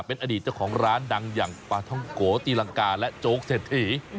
เป็นอดีตเจ้าของร้านดังอย่างปลาท่องโกตีลังกาและโจ๊กเศรษฐี